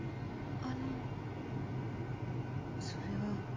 あのそれは。